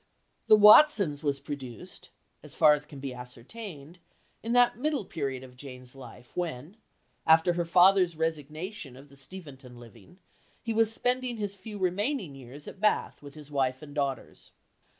The Watsons was produced, as far as can be ascertained, in that middle period of Jane's life when, after her father's resignation of the Steventon living he was spending his few remaining years at Bath with his wife and daughters.